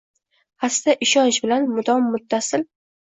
Xasta ishonch bilan mudom-muttasil